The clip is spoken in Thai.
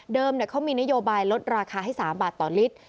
เขามีนโยบายลดราคาให้๓บาทต่อลิตร